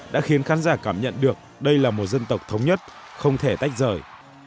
đã khiến khán giả cảm nhận được đây là một dân tộc thống nhất không thể tách rời